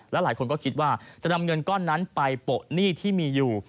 หลายคนก็คิดว่าจะนำเงินก้อนนั้นไปโปะหนี้ที่มีอยู่